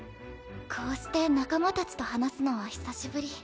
こうして仲間たちと話すのは久しぶり。